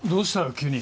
急に。